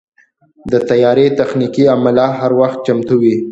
د طیارې تخنیکي عمله هر وخت چمتو وي.